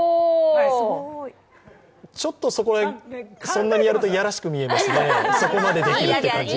ちょっと、そんなにやると嫌らしく見えますね、そこまでできるって感じが。